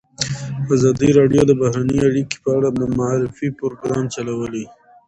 ازادي راډیو د بهرنۍ اړیکې په اړه د معارفې پروګرامونه چلولي.